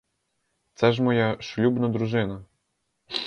Цс ж моя шлюбна дружина.